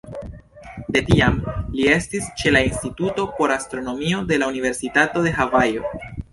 De tiam, li estis ĉe la Instituto por Astronomio de la Universitato de Havajo.